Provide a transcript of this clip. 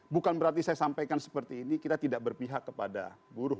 bukan berarti saya sampaikan seperti ini kita tidak berpihak kepada buruh